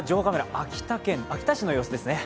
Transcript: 秋田県秋田市の様子ですね。